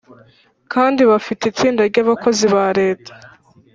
kandi bafite itsinda ry Abakozi ba Leta